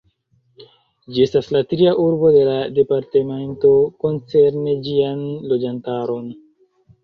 Ĝi estas la tria urbo de la departemento koncerne ĝian loĝantaron.